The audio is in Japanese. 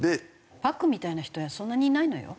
パックンみたいな人はそんなにいないのよ。